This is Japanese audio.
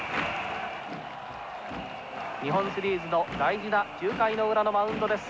日本シリーズの大事な９回の裏のマウンドです。